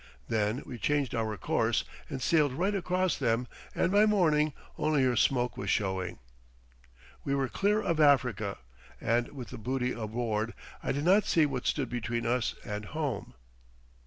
Then we changed our course and sailed right across them, and by morning only her smoke was showing. We were clear of Africa—and with the booty aboard I did not see what stood between us and home.